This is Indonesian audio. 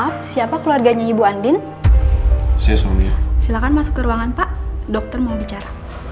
maaf siapa keluarganya ibu andin silahkan masuk ke ruangan pak dokter mau bicara